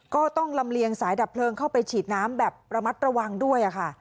ก็ต้องลำเลียงสายดับเพลิงเข้าไปฉีดน้ำแบบระมัดระวังด้วยค่ะ